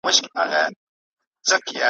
د لوګي په څېر به ورک سي په خپل ځان کي `